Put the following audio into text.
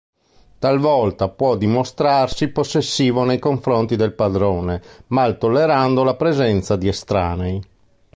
Talvolta può dimostrarsi possessivo nei confronti del padrone, mal tollerando la presenza di estranei.